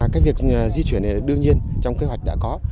cái việc di chuyển này đương nhiên trong kế hoạch đã có